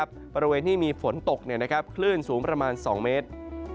บริเวณที่มีฝนตกคลื่นสูงประมาณ๒เมตร